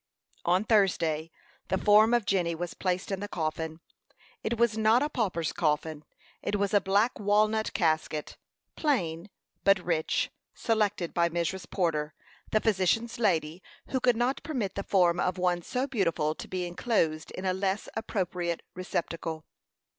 On Thursday the form of Jenny was placed in the coffin. It was not a pauper's coffin; it was a black walnut casket plain, but rich selected by Mrs. Porter, the physician's lady, who could not permit the form of one so beautiful to be enclosed in a less appropriate receptacle.